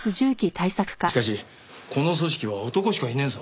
しかしこの組織は男しかいねえぞ。